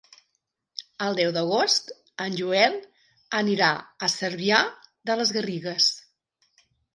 El deu d'agost en Joel anirà a Cervià de les Garrigues.